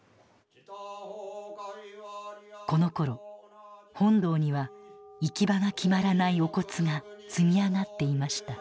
このころ本堂には行き場が決まらないお骨が積み上がっていました。